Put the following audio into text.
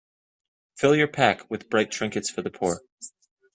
Fill your pack with bright trinkets for the poor.